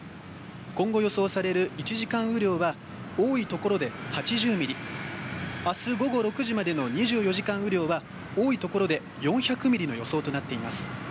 今後予想される１時間雨量は多いところで８０ミリ明日午後６時までの２４時間雨量は多いところで４００ミリの予想となっています。